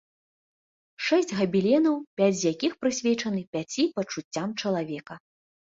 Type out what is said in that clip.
Шэсць габеленаў, пяць з якіх прысвечаны пяці пачуццям чалавека.